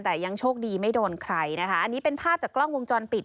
แต่ยังโชคดีไม่โดนใครนะคะอันนี้เป็นภาพจากกล้องวงจรปิด